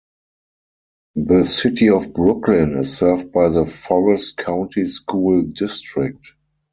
The City of Brooklyn is served by the Forrest County School District.